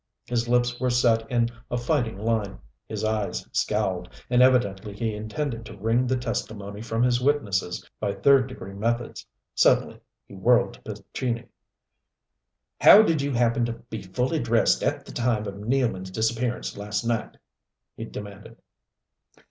His lips were set in a fighting line, his eyes scowled, and evidently he intended to wring the testimony from his witnesses by third degree methods. Suddenly he whirled to Pescini. "How did you happen to be fully dressed at the time of Nealman's disappearance last night?" he demanded.